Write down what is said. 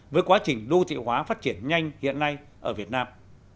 với quá trình đô thị hóa phát triển nhanh hiện nay ở việt nam